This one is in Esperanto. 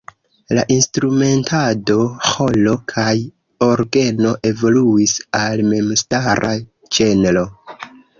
La instrumentado "ĥoro kaj orgeno" evoluis al memstara ĝenro.